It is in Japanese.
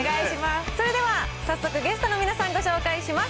それでは早速、ゲストの皆さんご紹介します。